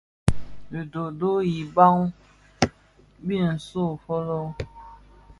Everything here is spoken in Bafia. Dhi doodoo yi biban bin nso fōlō.